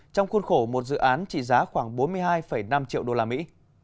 trong khuôn khổ một dự án trị giá khoảng bốn mươi hai năm triệu đô la mỹ